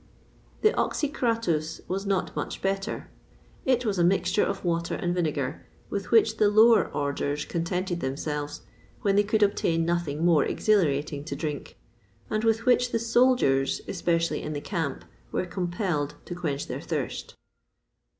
The oxycratus was not much better. It was a mixture of water and vinegar, with which the lower orders contented themselves when they could obtain nothing more exhilarating to drink;[XXVI 30] and with which the soldiers, especially in the camp, were compelled to quench their thirst.